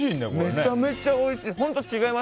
めちゃめちゃおいしい！